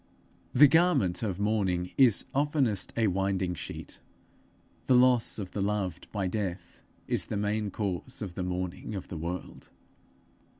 The garment of mourning is oftenest a winding sheet; the loss of the loved by death is the main cause of the mourning of the world.